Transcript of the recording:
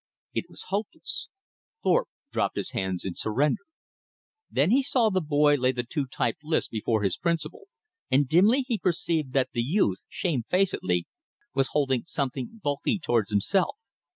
It was hopeless. Thorpe dropped his hands in surrender. Then he saw the boy lay the two typed lists before his principal, and dimly he perceived that the youth, shamefacedly, was holding something bulky toward himself.